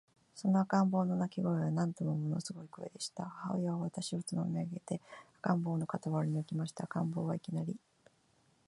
その赤ん坊の泣声は、なんとももの凄い声でした。母親は私をつまみ上げて、赤ん坊の傍に置きました。赤ん坊は、いきなり、